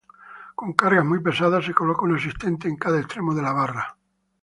Con cargas muy pesadas, se coloca un asistente en cada extremo de la barra.